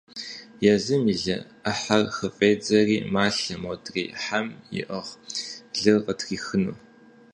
Езым и лы Ӏыхьэр хыфӀедзэри, малъэ, модрей хьэм иӀыгъ лыр къытрихыну.